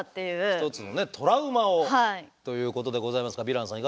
一つのねトラウマを！ということでございますがヴィランさん